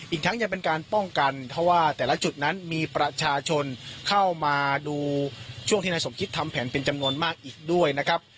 อีกทั้งยังเป็นการป้องกันเพราะว่าแต่ละจุดนั้นมีประชาชนเข้ามาดูช่วงที่นายสมคิดทำแผนเป็นจำนวนมากอีกด้วยนะครับ